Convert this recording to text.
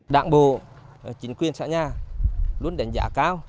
đảng bộ chính quyền xã nhà luôn đánh giá cao